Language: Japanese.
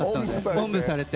おんぶされて。